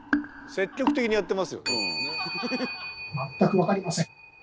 積極的にやってますよ。